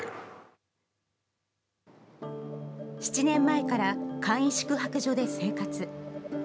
７年前から簡易宿泊所で生活。